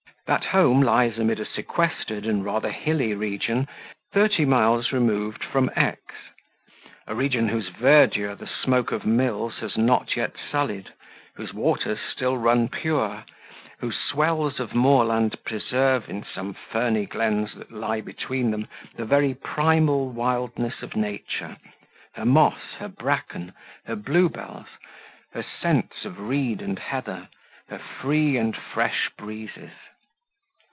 That home lies amid a sequestered and rather hilly region, thirty miles removed from X ; a region whose verdure the smoke of mills has not yet sullied, whose waters still run pure, whose swells of moorland preserve in some ferny glens that lie between them the very primal wildness of nature, her moss, her bracken, her blue bells, her scents of reed and heather, her free and fresh breezes.